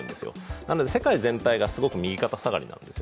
なので、世界全体がすごく右肩下がりなんです。